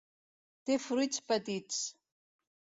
Té fruits petits.